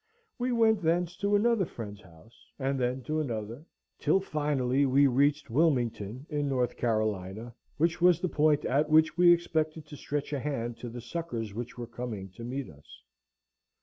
We went thence to another friend's house, and then to another, till finally we reached Wilmington, in North Carolina, which was the point at which we expected to stretch a hand to the succours which were coming to meet us.